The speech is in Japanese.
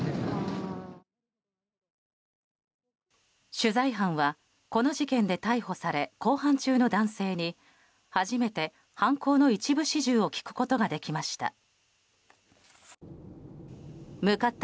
取材班は、この事件で逮捕され公判中の男性に初めて犯行の一部始終を聞くことができました。